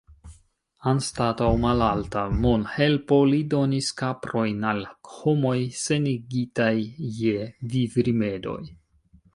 Anstataŭ malalta monhelpo, li donis kaprojn al homoj senigitaj je vivrimedoj.